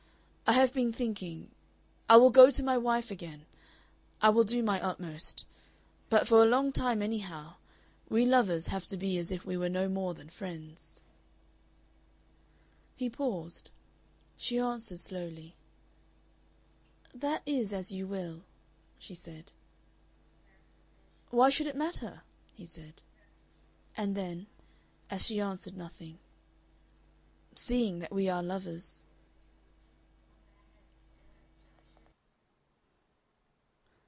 I have been thinking I will go to my wife again. I will do my utmost. But for a long time, anyhow, we lovers have to be as if we were no more than friends." He paused. She answered slowly. "That is as you will," she said. "Why should it matter?" he said. And then, as she answered nothing, "Seeing that we are lovers."